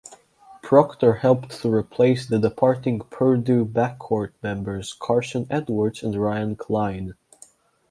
Proctor helped to replace the departing Purdue backcourt members Carsen Edwards and Ryan Cline.